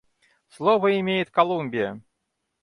Слово имеет Колумбия.